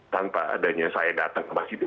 tanpa adanya saya datang ke mas didi